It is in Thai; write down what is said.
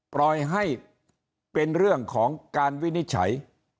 ปล่อยให้เป็นเรื่องของการวินิจฉัย